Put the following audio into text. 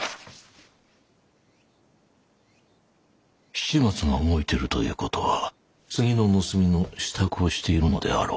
七松が動いているという事は次の盗みの支度をしているのであろう。